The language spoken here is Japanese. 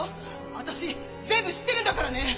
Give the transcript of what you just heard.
私全部知ってるんだからね！